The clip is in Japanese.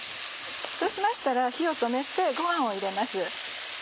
そうしましたら火を止めてご飯を入れます。